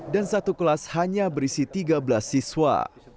dan satu kelas hanya berisi tiga belas siswa